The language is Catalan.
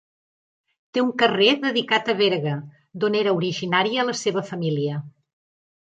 Té un carrer dedicat a Berga, d'on era originària la seva família.